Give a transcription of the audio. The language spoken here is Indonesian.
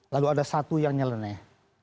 lalu ada satu yang nyeleneh